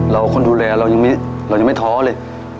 คนดูแลเรายังไม่ท้อเลย